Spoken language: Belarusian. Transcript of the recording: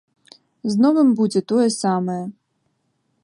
З новым будзе тое самае.